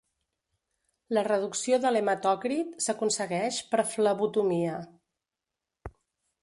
La reducció de l'hematòcrit s'aconsegueix per flebotomia.